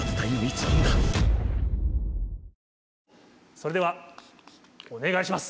それではお願いします。